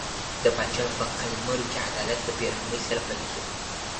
د پاچا په قلمرو کې عدالت په بې رحمۍ سره پلی کېده.